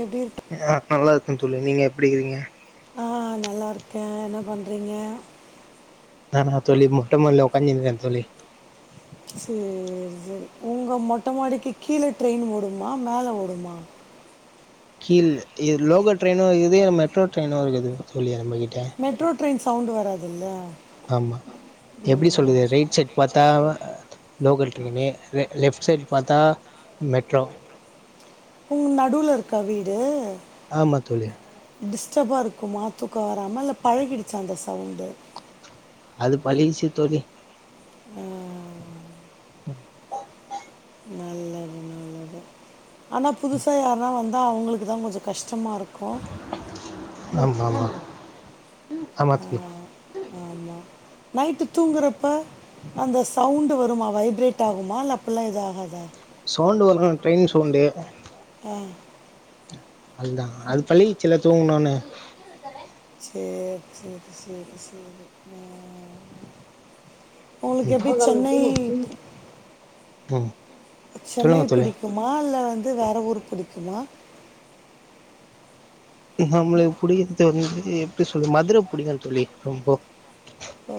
எப்டி இருக்க ஆ நல்லா இருக்கே தோழி நீங்க எப்டிக்குறீங்க ஆ நல்லாருக்கே என்ன பண்றீங்க நானா தோழி மொட்ட மாடில ஒக்காந்து இருக்கே தோழி சேரி சேரி உங்க மொட்ட மாடிக்கு கீழே ட்ரெயின் ஓடுமா மேல ஓடுமா கீழ இது லோக்கல் ரெயின்னு இருக்குது மெட்ரோ ட்ரெயினு இருக்குது தோழி நம்மகிட்ட மெட்ரோ ட்ரெயின் சவுண்ட்டு வராதுல்ல ஆமா எப்டி சொல்றது ரைட் செட் பாத்தா அ லோக்கல் ட்ரெயினு லே லெஃப்ட் சைட் பாத்தா மெட்ரோ உங் நடுல இருக்கா வீடு ஆமா தோழி டிஸ்டபா இருக்குமா தூக்கோ வராம இல்ல பழகிடுச்சா அந்த சவுண்டு அது பழகிருச்சு தோழி [inaudible] நல்லது நல்லது ஆனா புதுசா யார்னா வந்தா அவுங்களுக்கு தா கொஞ்ச கஷ்டமா இருக்கு ஆம் ஆமா ஆமா [unintelligible] ஆமாம் நைட்டு தூங்குறப்ப அந்த சவுண்டு வருமா வைப்ரேட் ஆகுமா இல்ல அப்பில்லா எது ஆகாதா சவுண்டு வரு ட்ரெயின் சவுண்டு ஆ அதுதா அது பழகிருச்சுல தூங்குனோனே [inaudible] சேர் சேர் சேர் சேர் ம் உங்களுக்கு எப்டி சென்னை ம் ம் சென்னை சொல்லுங்க தோழி புடிக்குமா இல்ல வந்து வேற ஊரு புடிக்குமா நம்மளுக்கு புடிக்கிறது வந்து எப்டி சொல்லு மதுர புடிக்கு தோழி ரொம்போ ஓ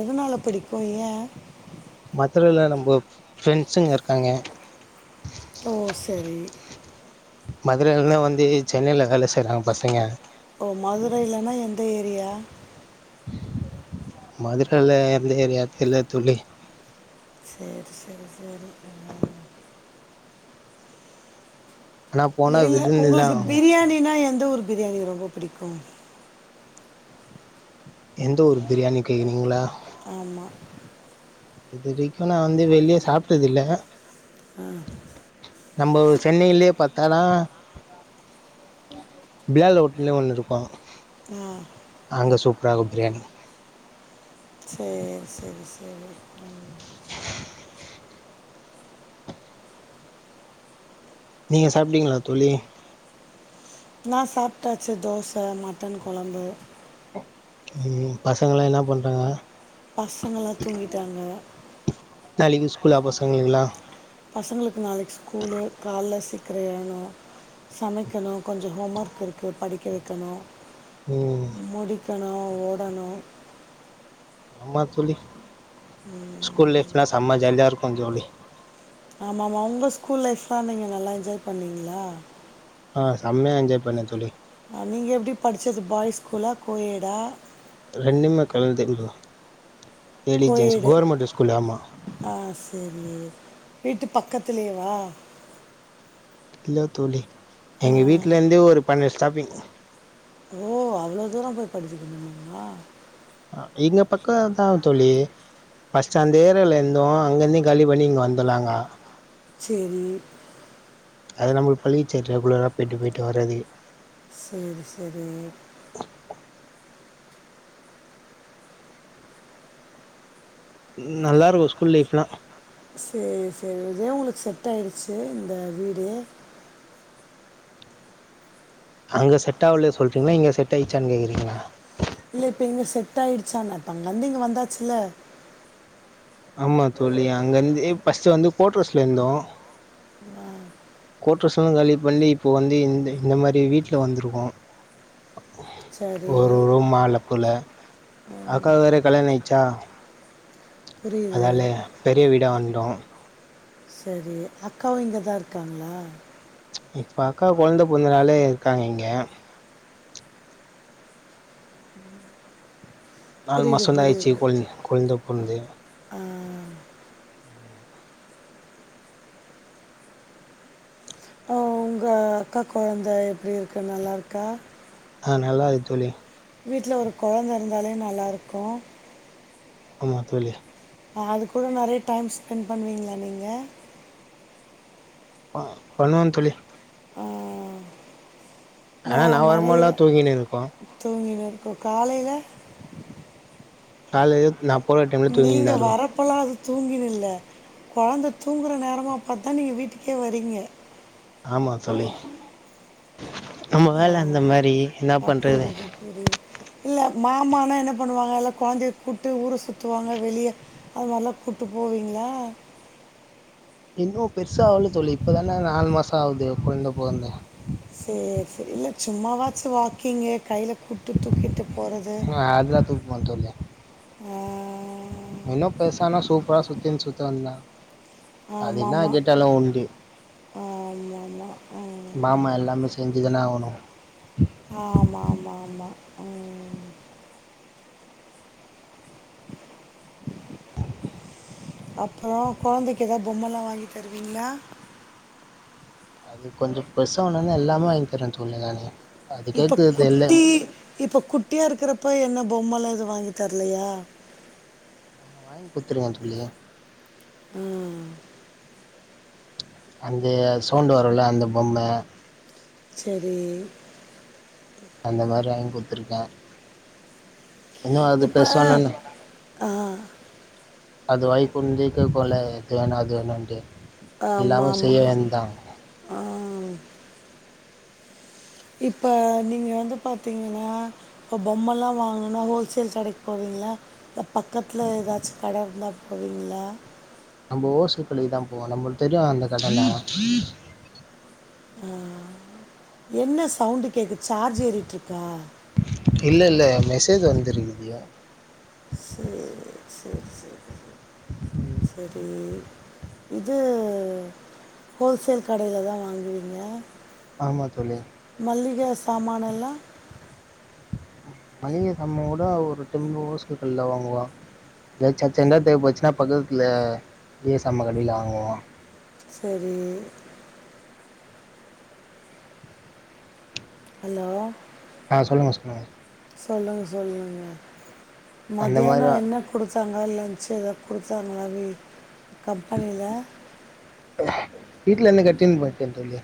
எதுனால புடிக்கு ஏ மதுரையில நம்ப ஃப்ரெண்ட்ஸுங்க இருக்காங்க ஓ சரி மதுரையில வந்து வந்து சென்னையில வேல செய்றாங்க பசங்க ஓ மதுரையிலனா எந்த ஏரியா மதுரையில எந்த ஏரியா தெர்ல தோழி சேர் சேரி சேரி ம் ஆனா ப்ப போனா இல்ல விருந்துதா உங்களுக்கு பிரியாணினா எந்த ஒரு பிரியாணி ரொம்ப புடிக்கு எந்த ஊரு பிரியாணி கேக்குறீங்களா ஆமா இதுரைக்கு நா வந்து வெளிய சாப்டது இல்ல ம் நம்போ சென்னையிலயே பத்தனா பிலால் ஹோட்டல்னு ஒன்னு இருக்கு ஆ அங்க சூப்பரா இருக்கு பிரியாணி சேர் சேரி சேரி நீங்க சாப்டீங்களா தோழி நா சாப்ட்டாச்சு தோச மட்டன் கொழம்பு ம் ம் பசங்கலா என்ன பண்றாங்க பசங்கலா தூங்கிட்டாங்க நாளைக்கி ஸ்கூலா பசங்களுக்கு எல்லா பசங்களுக்கு நாளைக்கி ஸ்கூலு கால்ல சீக்கிர எழனு சமைக்கணு கொஞ்ச ஹோம் ஒர்க் இருக்கு படிக்க வக்கணு ம் முடிக்கணு ஓடணு ஆமா தோழி ஸ்கூல் லைஃப்லா செம்ம ஜாலியா இருக்கு தோழி ஆமா ஆமா உங்க ஸ்கூல் லைஃப்லா நீங்க நல்லா என்ஜாய் பண்ணீங்களா ஆ செம்மையா என்ஜாய் பண்ணே தோழி அ நீங்க எப்டி படிச்சது பாய்ஸ் ஸ்கூலா கோயேடா ரெண்டுமே கலந்தே [unintelligible] ladies gents co-ed government school ஆமா ஆ சேரி வீட்டு பக்கத்துலயேவா இல்ல தோழி எங்க வீட்ல இருந்தே ஒரு பன்னெண்டு ஸ்டாப்பிங் ஓ அவ்ளோ தூர போய் படிச்சிருக்கீங்களா அ எங்க பக்க அதா தோழி ஃபஸ்ட் அந்த ஏரியால இருந்தோ அங்க இருந்து காலி பண்ணி இங்க வந்தோ நாங்க சேரி அது நமக்கு பழகிடுச்சு ரெகுலரா பெய்ட்டு பெய்ட்டு வர்றது சேரி சேரிங்க நல்லா இருக்கு ஸ்கூல் லைஃப்ல்லா சேரி சேரி இதே உங்களுக்கு செட் ஆய்டுச்சு இந்த வீடு அங்க செட் ஆவல சொல்றீங்களா இங்க செட் ஆயிச்சானு கேக்றீங்களா இல்ல இப்ப இங்க செட் ஆயிடுச்சான்ன இப்ப அங்கருந்து இங்க வந்தாச்சுல்ல ஆமா தோழி அங்கெருந்து ஃபஸ்டு வந்து கோட்ரஸ்ல இருந்தோ கோட்ரஸ்லா காலி பண்ணி இப்போ வந்த இந்த இந்த மாரி வீட்டல வந்துருக்கோ சரி ஒரு ரூம் ஹால போல அக்காக்கு வேற கல்யாண ஆய்டுச்சா புரியுது அதால பெரிய வீடா வந்துட்டோ சரி அக்காவு இங்கதா இருக்காங்ளா இப்போ அக்கா கொழந்த பொறந்தனாலே இருக்காங்க இங்க நாலு புரியுது மாசந்த ஆயிடுச்சு புரியுது கொ கொழந்த பொறந்து ஆ ஓ உங்க அக்கா கொழந்த எப்டி இருக்கு நல்லா இருக்கா அ நல்லாருக்கு தோழி வீட்ல ஒரு கொழந்த இருந்தாலே நல்லாருக்கு ஆமா தோழி அ அது கூட நறைய டைம் ஸ்பெண்ட் பண்ணுவீங்ளா நீங்க ப பண்ணுவ தோழி ஆ ஆனா நா வரும்போதுல்லா தூங்கினு இருக்கு தூங்கினு இருக்கு காலைல காலைல நா போற டைம் நீங்க வரப் போலா அது தூங்கினு இல்ல கொழந்த தூங்குகிற நேரமா பாத்துதா நீங்க வீட்டுக்கே வறீங்க ஆமா தோழி நம்ம வேல அந்த மாரி என்னா பண்றது சேரி இல்ல மாமானா என்ன பண்ணுவாங்க எல்லா கொழந்தைய கூப்டு ஊர சுத்துவாங்க வெளிய அதுமாரிலா கூப்ட்டு போவீங்ளா இன்னு பெருசா ஆவல தோழி நாலு மாச ஆவுது கொழந்த பொறந்து சேரி சேரி இல்ல சும்மாவாச்சு வாக்கிங்கு கையில கூப்ட்டு தூக்கிட்டு போறது அ அதுலா தூக்குவ தோழி இன்னு பெருசானா சூப்பரா சுத்தினு சுத்தவேண்டிதா அது என்னா ஆமாம் ஆமாம் கேட்டாலு உண்டு ஆமாம் மாமா ஆமாம் எல்லாமே செஞ்சுதானே ஆவணு ஆமா ஆமா ஆமா, ம் [inaudible] அப்பறோ கெபிழந்தைக்கு ஏதாவது பொம்மைலா வாங்கி தருவீங்களா அது கொஞ்சோ பெருசானோனே எல்லாமே வாங்கி தருவ தோழி நானே இப்போ குட்டி இப்ப குட்டியா இருக்கிறப்ப என்ன பொம்மைலா எதுவு வாங்கி தரலையா வாங்கி குடுத்துருக்க தோழி ம் அந்த சவுண்டு வரும்ல அந்த பொம்ம சேரி அந்த மாரி வாங்கி குடுத்துருக்கே இன்னு அது இப்போ பேசனன்னா ஆ அது வாய குறிஞ்சிக் கேக்கும்ல இது வேணு அது வேணுண்டு எல்லாமே ஆமாம் செய்ய ஆமாம் வேண்டி தா ஆ இப்ப நீங்க வந்து பாத்தீங்கன்னா இப்ப பொம்மல்லா வாங்கணும்னா ஹோல்சேல் கடைக்கு போவீங்களா இல்ல பக்கத்துல ஏதாச்சு கடருந்தா பொய்ருவீங்களா நம்ம ஓல்சேல் கடக்கி தா போவோ நம்மளுக்கு தெரியு அந்த கட தா ஆ என்ன சவுண்டு கேக்கு சார்ஜ் ஏறிட்டுருக்கா இல்ல இல்ல மெசேஜ் வந்திருகுது சேரி சேரி சேரி செரி இது ஹோல்சேல் கடைல தா வாங்குவீங்க ஆமா தோழி மள்ளிக சாமானெல்லா மளிக சாமான் கூட ஒரு [unintelligible] ஹோல்சேல் கடைல வாங்குவோ ஏதாவது அச்சண்டா தேவ பட்டுச்சுன்னா பக்கதுலா மளிகசாமான் கடைல வாங்குவோ செரி ஹலோ ஆ சொல்லுங்க‌ சொல்லுங்க சொல்லுங்க சொல்லுங்க அந்த மதியானோ மாதிரி என்ன குடுத்தாங்க லன்ச்சு எதா குடுத்தாங்க அ கம்பெனில வீட்லருந்து கட்டினு போய்டே தோழி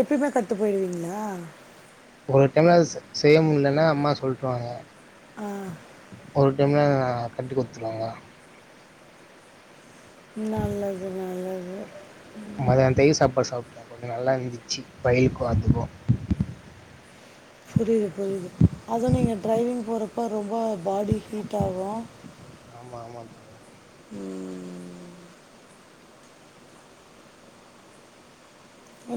எப்பயுமே கட்டின் போய்டுவீங்களா ஒரு டையோ செய்ய முடிலன்னா அம்மா சொல்ட்ருவாங்க ஆ ஒரு டைம்ல கட்டி கேடுத்துருவாங்க நல்லது நல்லது மதியனத்துக்கு தையி சாப்பாடு சாப்டே கொஞ்சோ நல்லாருந்துச்சு வெயிலுக்கு அதுக்கு புரிது புரிது அதுவு நீங்க டிரைவிங் போறப்ப ரொம்ப பாடி ஹீட் ஆகு ஆமா ஆமா தோழி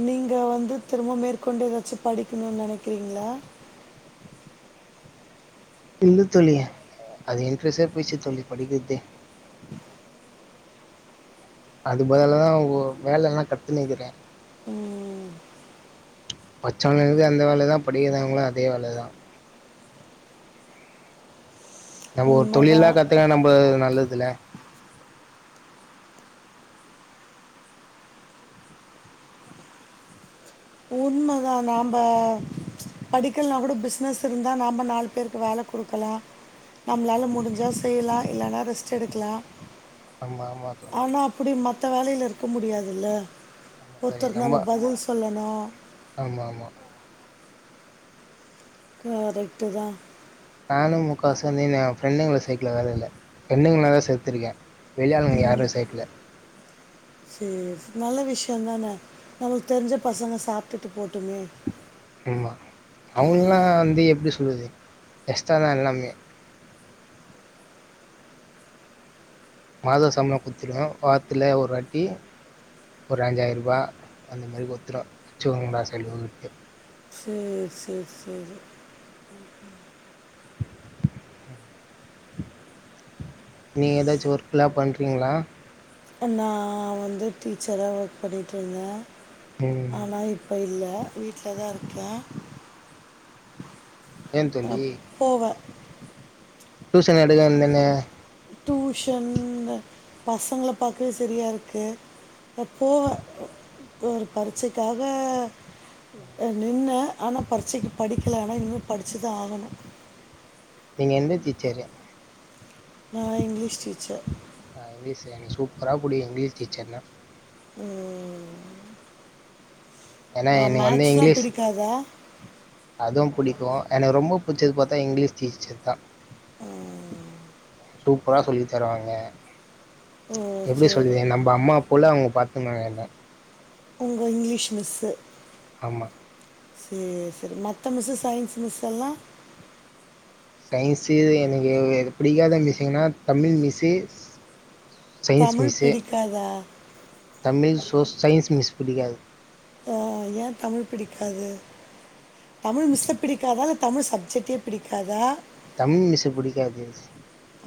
நீங்க வந்து திரும்ப மேற்கொண்டு ஏதாச்சு படிக்கணும்னு நெனைக்கிறீங்களா இல்ல தோழி அது இன்க்ட்ரஸே போயிச்சு தோழி படிக்றதே அது பதில்லா தா ஒ வேலல்லா கத்துனுருக்குறே ம் பச்சவனுக்கு அந்த வேலதா படிக்காதவனுக்கு அதே வேலதா நம்ம ஒரு தொழில்லா உண்மைதான் கத்துக்க நம்ம நல்லதுல உண்மயாதாம்பா படிக்கலனா கூட பிசினஸ் இருந்தா நாம நாலு பேருக்கு வேல குடுக்கலா நம்மளால முடிஞ்சா செய்யலா இல்லனா ரெஸ்ட் எடுக்கலா ஆமா ஆமா தோழி இப்டி மத்த வேலைல இருக்க முடியாதுல்ல ஆமா தோழி ஒருத்தருக்கு நம்ம பதில் சொல்லணு ஆமா ஆமா கரெக்ட்டுதா நானு முக்கா வாசி வந்து என்ஃப்ரெண்டுங்கள சேக்கல வேலயில ஃப்ரெண்டுங்க [unintelligible] சேத்திருக்கே வெளியாளுங்க யாரு சேக்கள சேரி நல்ல விஷயந் தானே நம்ளுக்கு தெரிஞ்ச பசங்க சாப்டுட்டு போட்டுமே ஆமா அவங்கல்லா வந்து எப்டி சொல்றது எக்ஸ்ட்டாதா எல்லாமே மாத சம்பளம் குத்துந்தோ வார்த்துல ஒருவாட்டி ஒரு அஞ்சாயிர்ரூபா அந்தமாறி குத்துருவே வெச்சிகோங்கடா செலவுக்கு சேர் சேர் சேரி நீ ஏதாச்சு ஒர்க்லா பண்றீங்ளா நா வந்து டீச்சரா ஒர்க் பண்ணிட்டு ருந்தே ம் ஆனா இப்ப இல்ல வீட்லதா இருக்கே ஏன் தோழி போவே டூயூசன் எடுக்க ‌வேண்ட் தானே டூஷன் பசங்கள பாக்கவே சரியா இருக்கு போவே ஒரு பரிச்சைக்காக‌ அ நின்னே ஆனா பரிச்சைக்கு படிக்கல ஆனா இன்னு படிச்சுதா ஆகணு நீங்க எந்த டீச்சரு நா இங்கிலீஷ் டீச்சர் ஆ இங்கிலீஷ் எனக்கு சூப்பரா புடிக்கு இங்கிலீஷ் டீச்சர்னா ம் ஏன்னா வா‌ எனக்கு மேக்ஸ்னா பிடிக்காதா அதுவு புடிக்கு எனக்கு ரொம்ப புட்சது பாத்தா இங்கிலீஷ் டீச்சர் தா ஆ சூப்பரா சொல்லி தருவாங்க ஓ எப்டி சரி சொல்றது நம் அம்மா போல அவுங்க பாத்துக்குனாங்க என்ன உங்க இங்கிலீஷ் மிஸ்ஸு ஆமா சேர் சேரி மத்த மிஸ்ஸு சயின்ஸ் மிஸ்சல்லா சயின்ஸு எனக்கு புடிக்காத மிஸ்ஸுங்குனா Tamil miss science Tamil miss பிடிக்காதா தமிழ் சோ சயின்ஸ் மிஸ் புடிக்காது ஆ ஏ தமிழ் பிடிக்காது தமிழ் மிஸ்ஸ பிடிக்காதா இல்ல தமிழ் சப்ஜெக்டே பிடிக்காதா தமிழ் மிஸ்ஷ புடிக்காது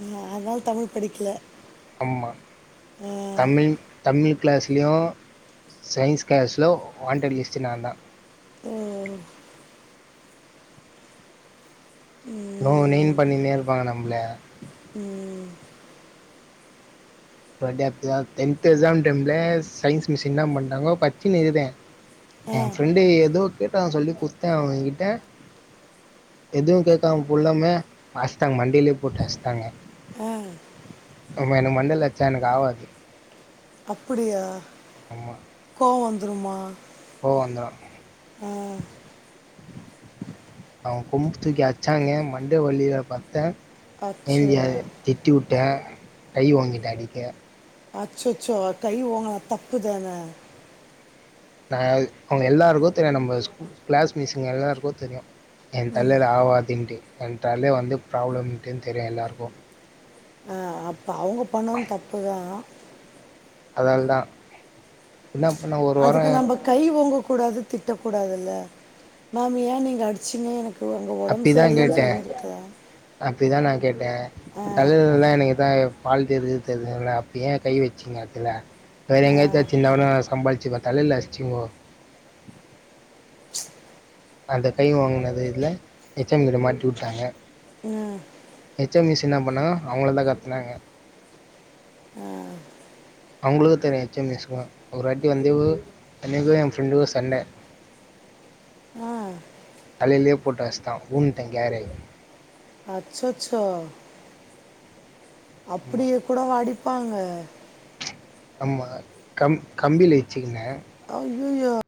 ஆ அத்னால தமிழ் படிக்கல ஆம்மா அஹ் தமிழ் தமிழ் கிளாஸ்லியு சயின்ஸ் கிளாஸ்லு வான்டட் லிஸ்ட்டு நாந்தா ஓ, நோ நெயின் ம், பண்ணினே இருப்பாங்க நம்ப்ள ம் ஒரு வாட்டி அப்டிதா டென்த்து எக்ஸாம் டைம்ல சயின்ஸ் மிஸ்ஸு ன்னா பண்ணிடாங்கோ படிச்சினி இருகுதே ஆ, என் ஃப்ரெண்டு ஏதோ கேட்டான் சொல்லி குட்த்தே அவன்கிட்ட எதுவும கேக்காம கொல்லாம அஸ்ச்டாங்க மண்டையிலே போட்டு அஸ்ச்டாங்க ஆ அப்போமா எனக்கு மண்டைல அட்ச்ச எனக்கு ஆவாது அப்புடியா அம்மா கோவ வந்துருமா போ அந்தார் ஓ அவங்க கொம்பு தூக்கி அச்சாங்க மண்ட வலியில பத்தே அச்சோ ஏந்தி அது திட் டிவுட்ட கை ஓங்கிட்டே அடிக்க அச்சச்சோ கை ஓங்கன தப்புதான நா அவுங்க எல்லாருக்கு தெரியு நம்ம ஸ்கூ கிளாஸ் மீஸ்சுங்க எல்லாருக்கு தெரியு என் தலையில ஆவாதுன்ட்டு என் தல வந்து ப்ராப்ளம்ன்ட்டு தெரியு எல்லாருக்கும் ஆ அப்போ அவங்க பண்ணது தப்பு தான் அதால் தா என்னா பண்ண ஓ அதுக்கு நம்ப கை ஓங்கக் கூடாது திட்டக்கூடாதுல்ல மேம் ஏன் நீங்க அடிச்சுங்க எனக் அப்டிதா கேட்ட அப்டிதான் நான் கேட்டேன் ஆ தலைலலா எனக்கு அதான் என் பால்ட்டு இருக்குதுன்னு தெரியுல்ல அப்ப ஏன் கை வெச்சீங்க அதுல வேற எங்கயாச்சி ஆ அச்சிருந்தா கூட நான் சம்பாளிச்சுக்குவே தலைல அட்ச்சுங்கோ அந்த கை ஓங்கனது இதுல ஹெச் எம் கிட்ட மாட்டி வுட்டாங்க ம், ஹச் எம் மிஸ்சு என்ன பண்ணாங்க அவங்கள தா கத்துனாங்க ஓ அவங்களுக்கு தெரியு ஹச்சம் மிஸ்கெல்லா ஒருவாட்டி வந்து எனக்கும் என் ஃப்ரெண்டுக்கும் சண்ட ஆ தலையிலே போட்டு அடிச்சுட்டா வுழுந்திட்டே கேர் ஆயி அச்சச்சோ ஆமா அப்டியே கூடவா அடிப்பாங்க ஆமா கம் கம்பியில இச்சுக்குண்ணே அய்யய்யோ